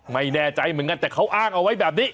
ไม่แน่ใจเหมือนกันแต่เขาอ้างเอาไว้แบบนี้